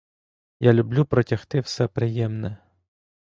Я люблю протягти все приємне.